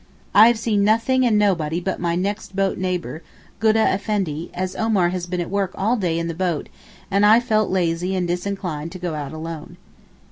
I have seen nothing and nobody but my 'next boat' neighbour, Goodah Effendi, as Omar has been at work all day in the boat, and I felt lazy and disinclined to go out alone.